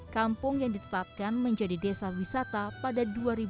kampung yang ditetapkan menjadi desa wisata pada dua ribu dua puluh